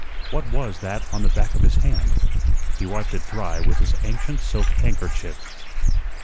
What was that on the back of his hand? He wiped it dry with his ancient silk handkerchief.